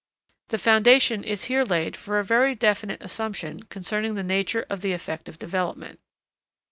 The foundation is here laid for a very definite assumption concerning the nature of the affective development.